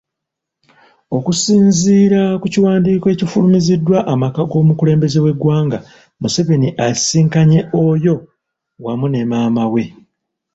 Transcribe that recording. Okusinziira ku kiwandiiko ekifulumiziddwa amaka g'omukulembeze w'eggwanga, Museveni asisinkanye Oyo wamu ne maama we.